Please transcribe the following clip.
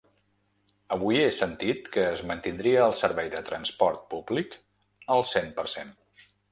Avui he sentit que es mantindria el servei de transport públic al cent per cent.